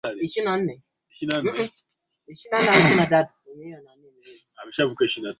maalum na wataalamu wa Tiba wakimzunguka ili kuhakikisha yuko anarudi salama jambo ambalo